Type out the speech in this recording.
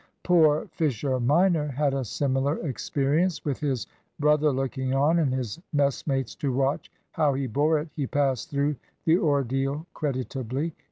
Poor Fisher minor had a similar experience. With his brother looking on, and his messmates to watch how he bore it, he passed through the ordeal creditably.